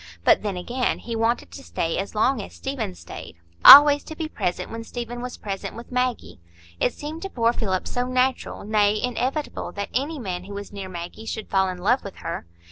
But then, again, he wanted to stay as long as Stephen stayed,—always to be present when Stephen was present with Maggie. It seemed to poor Philip so natural, nay, inevitable, that any man who was near Maggie should fall in love with her!